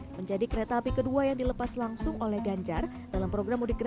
menjadi kereta api kedua yang dilepas langsung oleh ganjar